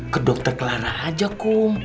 ke dokter lana aja kum